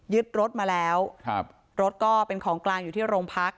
รถมาแล้วครับรถก็เป็นของกลางอยู่ที่โรงพัก